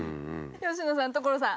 佳乃さん所さん。